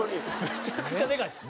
めちゃくちゃでかいです。